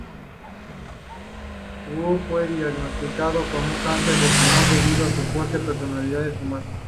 Wu fue diagnosticado con cáncer de pulmón debido a su fuerte personalidad de fumar.